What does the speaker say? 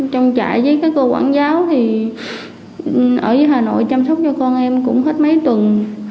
trong trại với các cô quảng giáo thì ở hà nội chăm sóc cho con em cũng hết mấy tuần